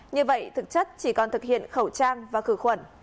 như vậy thực chất chỉ còn thực hiện khẩu trang và khử khuẩn